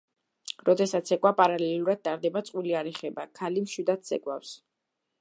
როდესაც ცეკვა პარალელურად ტარდება, წყვილი არ ეხება; ქალი მშვიდად ცეკვავს.